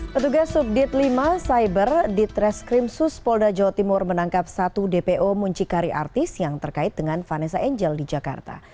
petugas subdit lima cyber ditreskrim suspolda jawa timur menangkap satu dpo muncikari artis yang terkait dengan vanessa angel di jakarta